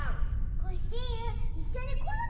コッシーユいっしょにコロッケたべない？